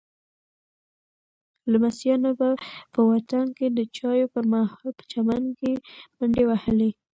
لمسیانو به په وطن کې د چایو پر مهال په چمن کې منډې وهلې.